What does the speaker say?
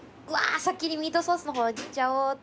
先にミートソースの方いっちゃおうっと。